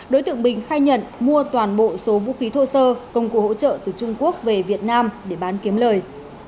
đối tượng bình khai nhận mua toàn bộ số vũ khí thô sơ công cụ hỗ trợ từ trung quốc về việt nam để bán kiếm lời